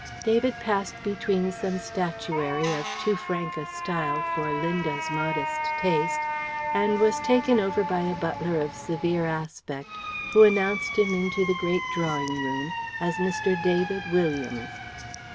David passed between some statuary of too frank a style for Linda's modest taste and was taken over by a butler of severe aspect who announced him into the great drawing room as Mr. David Williams.